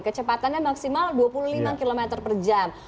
kecepatannya maksimal dua puluh lima km per jam